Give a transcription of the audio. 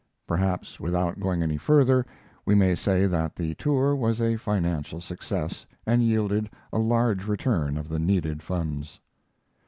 Perhaps, without going any further, we may say that the tour was a financial success, and yielded a large return of the needed funds.